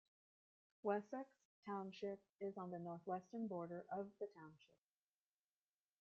Wysox Township is on the northwestern border of the township.